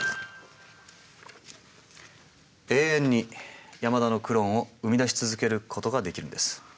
永遠に山田のクローンを生み出し続けることができるんです。